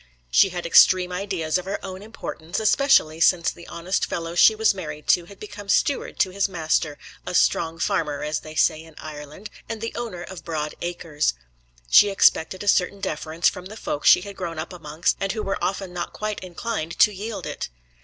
She had extreme ideas of her own importance, especially since the honest fellow she was married to had become steward to his master, a 'strong farmer,' as they say in Ireland, and the owner of broad acres. She expected a certain deference from the folk she had grown up amongst, and who were often not quite inclined to yield it.